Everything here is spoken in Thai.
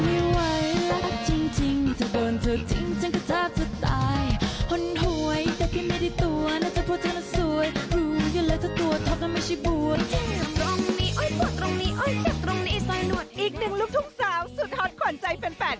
อีกหนึ่งลูกทุ่งสาวสุดฮอตขวัญใจแฟน